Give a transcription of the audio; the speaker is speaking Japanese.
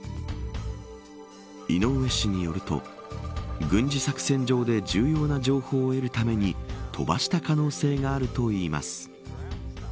井上氏によると軍事作戦上で重要な情報を得るために飛ばした可能性があるといいます。